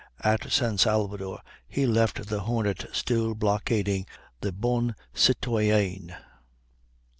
At San Salvador he left the Hornet still blockading the Bonne Citoyenne.